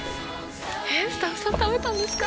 えっスタッフさん食べたんですか？